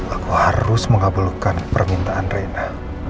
aku harus mengabulkan permintaan reina